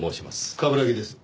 冠城です。